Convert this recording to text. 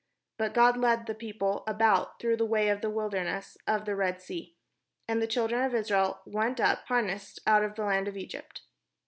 But God led the people about, through the way of the wilderness of the Red Sea; and the children of Israel went up harnessed out of the land of Egypt.